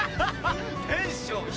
テンション低ぅ！